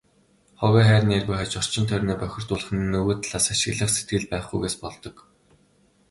Хогоо хайр найргүй хаяж, орчин тойрноо бохирдуулах нь нөгөө талаас ашиглах сэтгэл байхгүйгээс болдог.